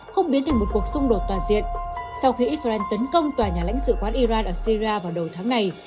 không biến thành một cuộc xung đột toàn diện sau khi israel tấn công tòa nhà lãnh sự quán iran ở sira vào đầu tháng này